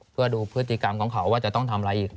เพื่อดูพฤติกรรมของเขาว่าจะต้องทำอะไรอีก